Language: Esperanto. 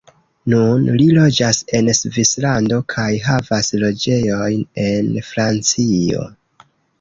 Nun li loĝas en Svislando kaj havas loĝejojn en Francio.